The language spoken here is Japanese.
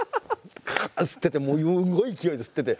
カッ吸っててすごい勢いで吸ってて。